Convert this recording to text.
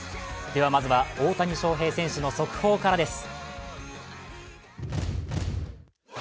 では大谷翔平選手の速報からです。